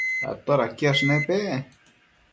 todaquiash nepec?